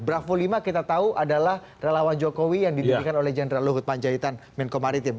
bravo lima kita tahu adalah relawan jokowi yang didirikan oleh jenderal luhut panjaitan menko maritim